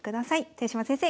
豊島先生